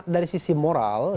dari sisi moral